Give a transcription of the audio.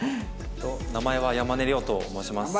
名前は山根亮と申します。